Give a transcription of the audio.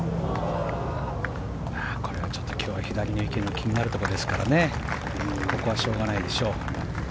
今日は左の池が気になるところですからここは、しょうがないでしょう。